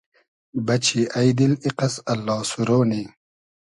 بئچی اݷ دیل ایقئس اللا سورۉ نی